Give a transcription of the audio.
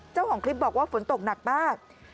เจ้าของคลิปบอกว่าฝนตกหนักมาก